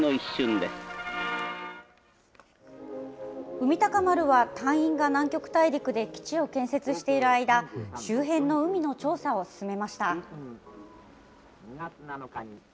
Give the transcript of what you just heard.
海鷹丸は、隊員が南極大陸で基地を建設している間、周辺の海の調査を進めました。